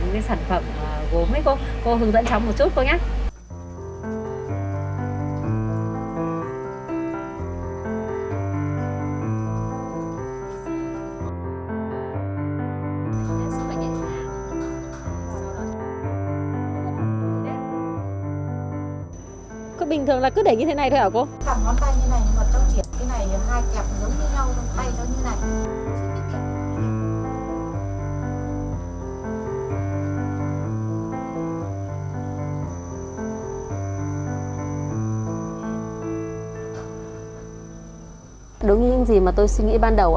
đối với những gì mà tôi suy nghĩ ban đầu